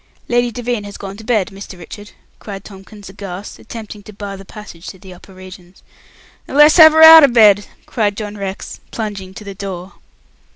"Lady Devine has gone to bed, Mr. Richard," cried Tomkins, aghast, attempting to bar the passage to the upper regions. "Then let's have her out o' bed," cried John Rex, plunging to the door.